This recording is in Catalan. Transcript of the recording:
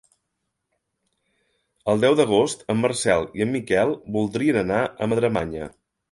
El deu d'agost en Marcel i en Miquel voldrien anar a Madremanya.